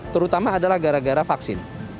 terutama adalah gara gara vaksin